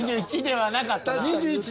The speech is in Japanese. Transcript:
２１ではなかった。